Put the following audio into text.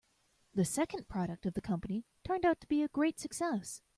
The second product of the company turned out to be a great success.